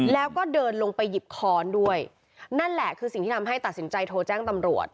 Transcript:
แล้วก็เดินลงไปหยิบค้อนด้วยนั่นแหละคือสิ่งที่ทำให้ตัดสินใจโทรแจ้งตำรวจ